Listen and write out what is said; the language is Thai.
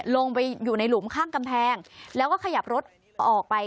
ลงไปอยู่ในหลุมข้างกำแพงแล้วก็ขยับรถออกไป